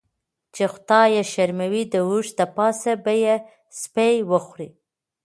چی خدای یی شرموي داوښ دپاسه به یی سپی وخوري .